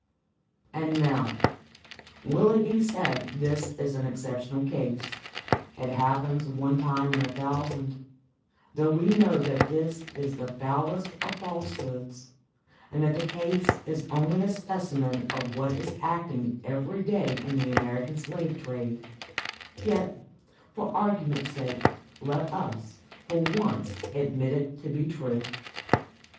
And, now, will it be said this is an exceptional case—it happens one time in a thousand? Though we know that this is the foulest of falsehoods, and that the case is only a specimen of what is acting every day in the American slave trade, yet, for argument's sake, let us, for once, admit it to be true.